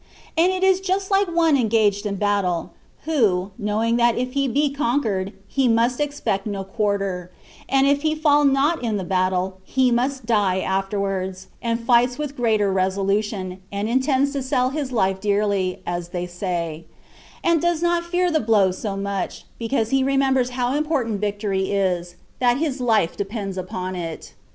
It is just like one engaged in battle, who, knowing that if he be conquered, he must expect no quarter ; and if he fall not in the battle, he must die afterwards, fights with greater resolution, and intends to sell his life dearly (as they say), and does not fear the blows so much, because he remembers how impor tant victory is, that his life depends upon it.